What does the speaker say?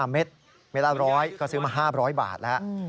เม็ดเม็ดละ๑๐๐ก็ซื้อมา๕๐๐บาทแล้ว